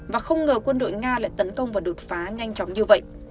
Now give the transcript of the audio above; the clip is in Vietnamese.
và không ngờ quân đội nga lại tấn công vào đột phá nhanh chóng như vậy